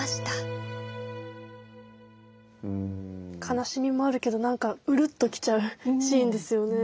悲しみもあるけど何かうるっときちゃうシーンですよね。